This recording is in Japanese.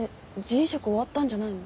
移植終わったんじゃないの？